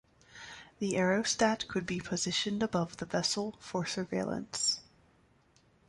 The aerostat could be positioned above the vessel for surveillance.